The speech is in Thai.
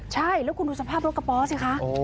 ใช่แล้วคุณดูสภาพรถกระป๋อสิคะ